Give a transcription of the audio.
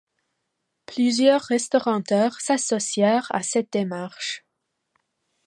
Plusieurs restaurateurs s’associèrent à cette démarche.